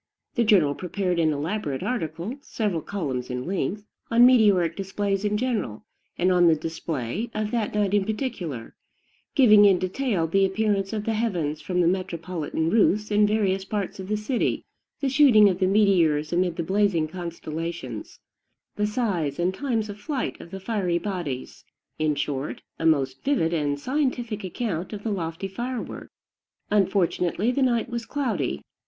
The journal prepared an elaborate article, several columns in length, on meteoric displays in general, and on the display of that night in particular, giving in detail the appearance of the heavens from the metropolitan roofs in various parts of the city, the shooting of the meteors amid the blazing constellations, the size and times of flight of the fiery bodies; in short, a most vivid and scientific account of the lofty fireworks. Unfortunately the night was cloudy.